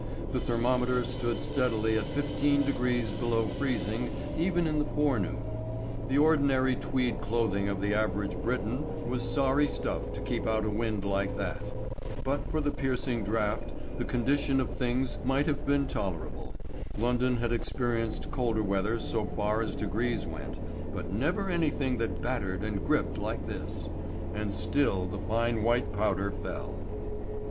The thermometer stood steadily at 15° below freezing even in the forenoon; the ordinary tweed clothing of the average Briton was sorry stuff to keep out a wind like that. But for the piercing draught the condition of things might have been tolerable. London had experienced colder weather so far as degrees went, but never anything that battered and gripped like this. And still the fine white powder fell.